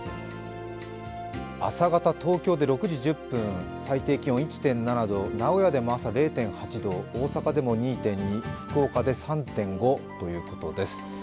朝方、東京で６時１０分、最低気温１．７度、名古屋でも朝０．８度、大阪でも２．２、福岡で３．５ということです。